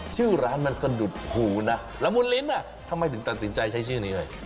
ชื่อร้านมันสะดุบหูนะละมุนลิ้นทำไมติดใจใช้ชื่อนี้ด้วย